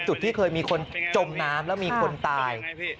ที่เคยมีคนจมน้ำแล้วมีคนตาย